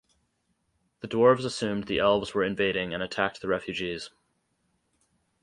The dwarves assumed the elves were invading and attacked the refugees.